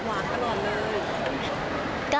หวานตลอดเลย